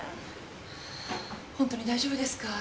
ホントに大丈夫ですか？